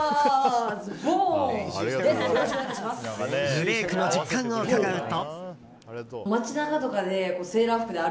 ブレークの実感を伺うと。